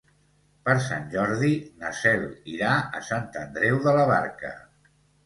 Per Sant Jordi na Cel irà a Sant Andreu de la Barca.